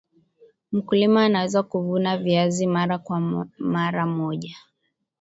mkulima anaweza kuvuna viazi kwa mara moja